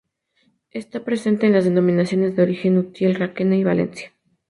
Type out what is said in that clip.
Está presente en las denominaciones de origen Utiel-Requena y Valencia.